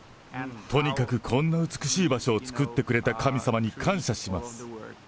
とにかくこんな美しい場所を造ってくれた神様に感謝します。